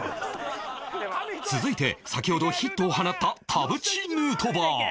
続いて先ほどヒットを放った田渕ヌートバー